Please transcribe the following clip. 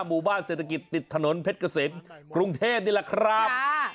หมู่บ้านเศรษฐกิจติดถนนเพชรเกษมกรุงเทพนี่แหละครับ